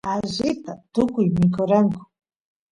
allita tukuy mikoranku